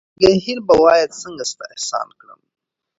مگر هېر به وایه څنگه ستا احسان کړم